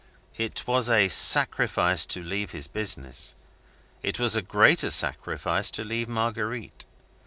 It was a sacrifice to leave his business; it was a greater sacrifice to leave Marguerite.